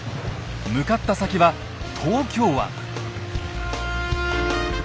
向かった先は東京湾。